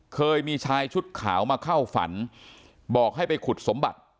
เคยมีชายชุดขาวมาเข้าฝันบอกให้ไปขุดสมบัติ